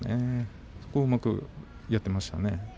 そこをうまくやっていましたね。